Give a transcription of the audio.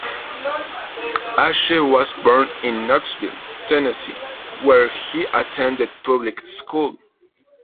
Ashe was born in Knoxville, Tennessee, where he attended public school.